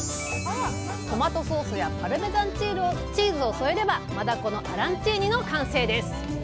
トマトソースやパルメザンチーズを添えれば「マダコのアランチーニ」の完成です！